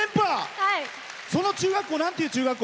その中学校なんていう中学校？